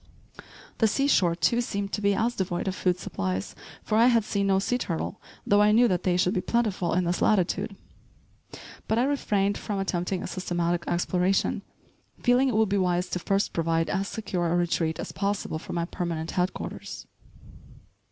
The sea shore, too, seemed to be as devoid of food supplies, for I had seen no sea turtle, though I knew that they should be plentiful in this latitude. But I refrained from attempting a systematic exploration, feeling it would be wise to first provide as secure a retreat as possible for my permanent headquarters.